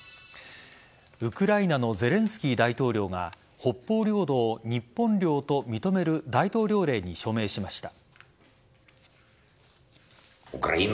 ウクライナのゼレンスキー大統領が北方領土を日本領と認める大統領令に署名しました。